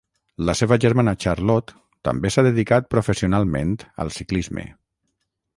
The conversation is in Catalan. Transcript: La seva germana Charlotte també s'ha dedicat professionalment al ciclisme.